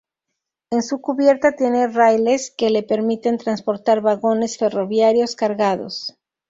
En su cubierta tiene raíles, que le permiten transportar vagones ferroviarios cargados.